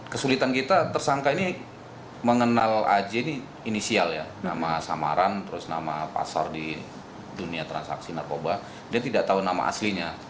kesulitan kita tersangka ini mengenal aj ini inisial ya nama samaran terus nama pasar di dunia transaksi narkoba dia tidak tahu nama aslinya